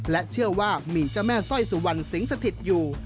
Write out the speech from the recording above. และเชื่อว่ามีเจ้าแม่สร้อยสุวรรณสิงสถิตอยู่